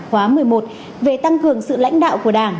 khóa một mươi một về tăng cường sự lãnh đạo của đảng